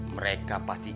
mereka pasti ingin